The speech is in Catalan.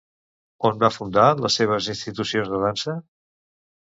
On va fundar les seves institucions de dansa?